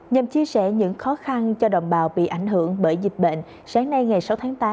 nhằm chia sẻ những khó khăn cho đồng bào bị ảnh hưởng bởi dịch bệnh sáng nay ngày sáu tháng tám